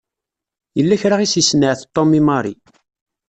Yella kra i s-isenɛet Tom i Mary.